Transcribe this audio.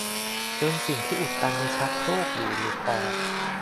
จนสิ่งที่อุดตันชักโครกอยู่หลุดออก